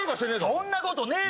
そんなことねえ！